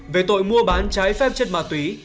về tội mua bán trái phép chất ma túy